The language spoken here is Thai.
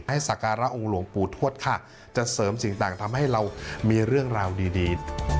สักการะองค์หลวงปู่ทวดค่ะจะเสริมสิ่งต่างทำให้เรามีเรื่องราวดีดี